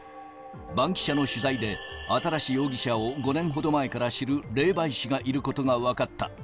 バンキシャの取材で新容疑者を５年ほど前から知る霊媒師がいることが分かった。